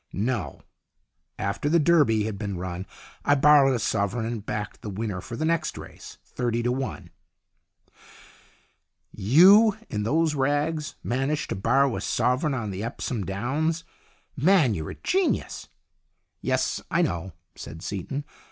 " No. After the Derby had been run I borrowed a sovereign, and backed the winner for the next race. Thirty to one." "You, in those rags, managed to borrow a sovereign up on Epsom Downs? Man, you're a genius." "Yes, I know," said Seaton.